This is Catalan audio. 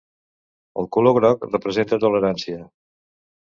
El color groc representa tolerància.